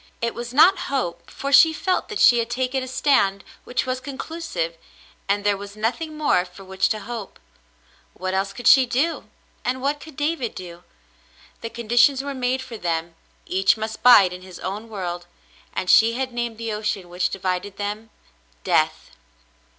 It was not hope, for she felt that she had taken a stand which was conclusive, and there was nothing more for which to hope. What else could she do, and what could David do ^ The con ditions were made for them ; each must bide in his own world, and she had named the ocean which divided them, Death."